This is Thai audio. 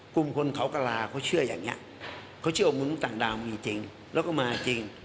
กลุ่มคนเขากระลาเขาเชื่ออย่างนี้เขาเชื่อว่ามนุษย์ต่างดาวมีจริงแล้วก็มาจริง